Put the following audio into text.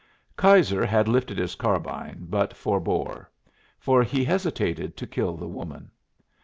Keyser had lifted his carbine, but forbore; for he hesitated to kill the woman.